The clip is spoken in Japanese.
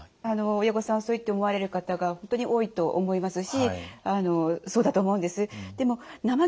親御さんはそういって思われる方が本当に多いと思いますしそうだと思うんです。